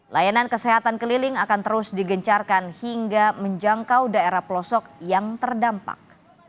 layanan kesehatan keliling akan terus digencarkan hingga menjangkau daerah pelosok yang terdampak